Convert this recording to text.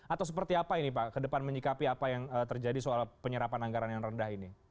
atau seperti apa ini pak ke depan menyikapi apa yang terjadi soal penyerapan anggaran yang rendah ini